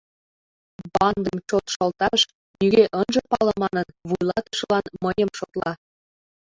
Бандым чот шылташ, нигӧ ынже пале манын, вуйлатышылан мыйым шотла.